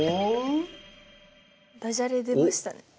ダジャレ出ましたね。